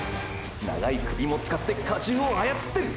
長い首も使って荷重を操ってる！！